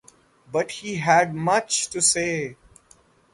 But he had much to say.